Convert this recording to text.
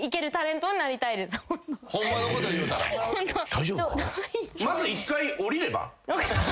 大丈夫か？